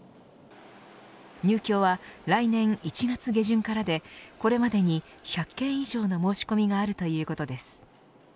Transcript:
入居は、来年１月下旬からでこれまでに１００件以上の申し込みがあるということです。